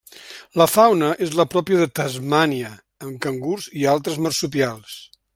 La fauna és la pròpia de Tasmània amb cangurs i altres marsupials.